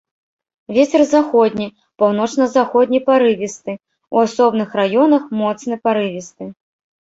Вецер заходні, паўночна-заходні парывісты, у асобных раёнах моцны парывісты.